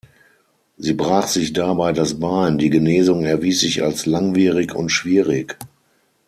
Sie brach sich dabei das Bein, die Genesung erwies sich als langwierig und schwierig.